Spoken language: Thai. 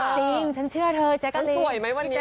จริงฉันเชื่อเธอจ๊ะกัลลิพี่แกสวยไหมวันนี้